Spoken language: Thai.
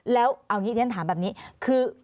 แล้วเอางี้ท่านถามแบบนี้คือ